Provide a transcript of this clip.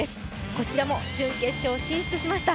こちらも準決勝に進出しました。